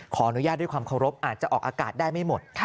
ขออนุญาตด้วยความเคารพอาจจะออกอากาศได้ไม่หมด